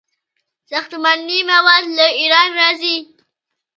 ساختماني مواد له ایران راځي.